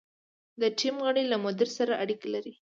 د ټیم غړي له مدیر سره اړیکې لري.